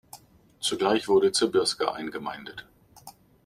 Zugleich wurde Srbská eingemeindet.